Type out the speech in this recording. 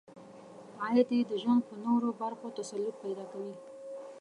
عاید یې د ژوند په نورو برخو تسلط پیدا کوي.